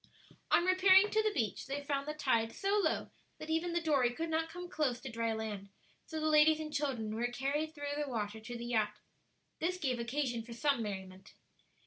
On repairing to the beach, they found the tide so low that even the dory could not come close to dry land; so the ladies and children were carried through the water to the yacht. This gave occasion for some merriment.